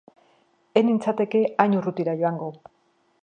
Ni ez nintzateke hain urrutira joango.